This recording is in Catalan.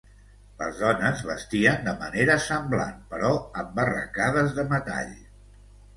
Les dones vestien de manera semblant, però amb arracades de metall.